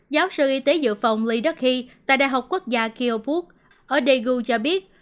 giáo sư y tế dự phòng lee deok hee tại đại học quốc gia kyobuk ở daegu cho biết